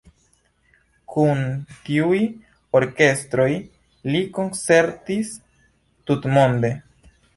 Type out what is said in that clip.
Kun tiuj orkestroj li koncertis tutmonde.